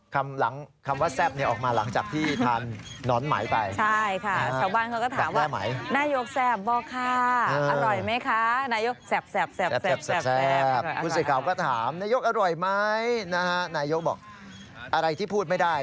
คำว่าแซ่บนี่ออกมาหลังจากที่ทานหนอนไหมไป